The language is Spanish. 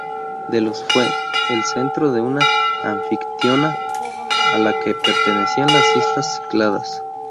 Delos fue el centro de una anfictionía a la que pertenecían las islas Cícladas.